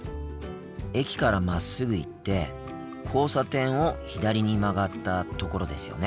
駅からまっすぐ行って交差点を左に曲がったところですよね？